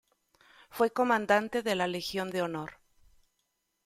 Fue comandante de la Legión de Honor.